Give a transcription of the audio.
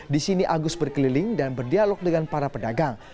di sini agus berkeliling dan berdialog dengan para pedagang